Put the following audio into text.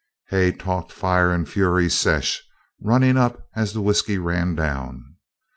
Hay talked fire and fury, "secesh" running up as the whiskey ran down.